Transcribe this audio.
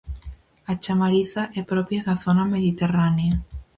A chamariza é propia da zona mediterránea.